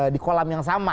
di kolam yang sama